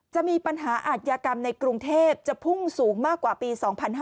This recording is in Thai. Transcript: จะมีปัญหาอาทยากรรมในกรุงเทพจะพุ่งสูงมากกว่าปี๒๕๕๙